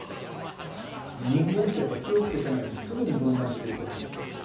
人間ってやっぱ気をつけてないとすぐに分断していくわけですよ。